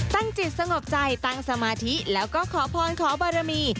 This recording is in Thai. ตั้งจิตสงบใจตั้งสมาธิแล้วก็ขอพรขอบารมี